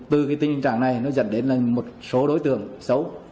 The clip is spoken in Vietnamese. từ cái tình trạng này nó dẫn đến là một số đối tượng xấu